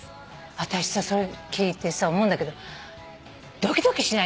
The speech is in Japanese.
私さそれ聞いて思うんだけどドキドキしない？